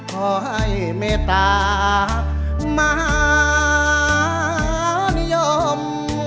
ขอให้เมตตามหานิยม